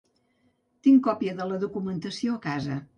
Tinc còpia de la documentació a casa.